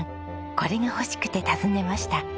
これが欲しくて訪ねました。